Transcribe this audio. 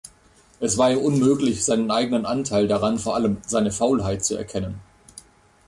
Es war ihm unmöglich, seinen eigenen Anteil daran, vor allem seine Faulheit, zu erkennen.